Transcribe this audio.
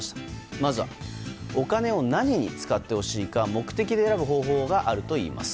まずはお金を何に使ってほしいか目的で選ぶ方法があるといいます。